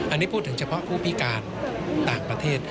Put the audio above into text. อันนี้พูดถึงเฉพาะผู้พิการต่างประเทศ